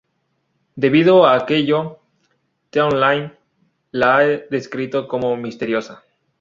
Debido a aquello T-Online la ha descrito como "misteriosa".